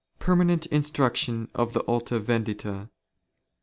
Permanent Instruction of the Alta Vendita.